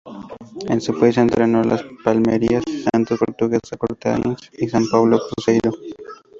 En su país entrenó a Palmeiras, Santos, Portuguesa, Corinthians, San Pablo y Cruzeiro.